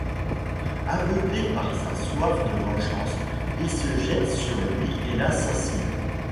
Aveuglé par sa soif de vengeance, il se jette sur lui et l’assassine.